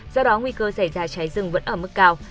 do đó nguy cơ xảy ra cháy rừng vẫn ở mức cao